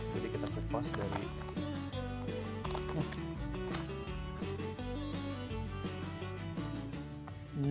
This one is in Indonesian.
jadi kita lepas dari